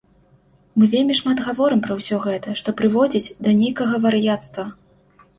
Мы вельмі шмат гаворым пра ўсё гэта, што прыводзіць да нейкага вар'яцтва.